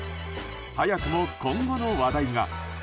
早くも今後の話題が。